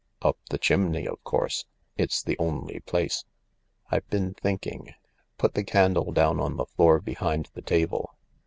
" Up the chimney, of course. It's the only place. I've been thinking. Put the candle down on the floor behind the table.